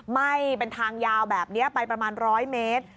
ไหม้เป็นทางยาวแบบนี้ไปประมาณ๑๐๐เมตร